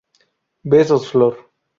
Besos, Flor!